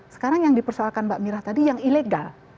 sekarang yang dipersoalkan mbak mira tadi yang ilegal